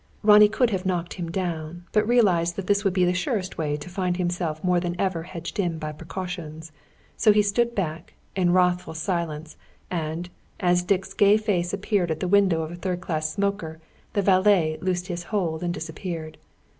Ronnie could have knocked him down; but realised that this would be the surest way to find himself more than ever hedged in by precautions. So he stood back, in wrathful silence, and, as Dick's gay face appeared at the window of a third class smoker, the "valet" loosed his hold and disappeared.